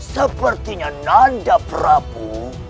sepertinya nanda prabu